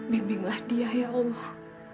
bimbinglah dia ya allah